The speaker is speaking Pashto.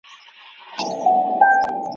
خدایه څه کانه را وسوه، دا د چا آزار مي واخیست